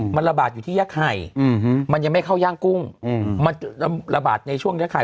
มันระบาดอยู่ที่ย่างไห่มันยังไม่เข้าย่างกุ้งมันระบาดในช่วงนี้ค่ะ